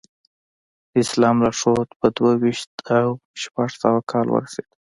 د اسلام لارښود په دوه ویشت او شپږ سوه کال ورسېد.